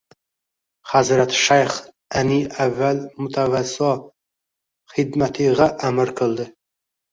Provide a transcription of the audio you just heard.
Hazrat shayx ani avval mutavvazzo xidmatigʻa amr qildi